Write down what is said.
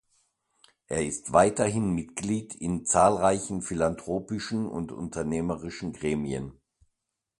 Er ist weiterhin Mitglied in zahlreichen philanthropischen und unternehmerischen Gremien.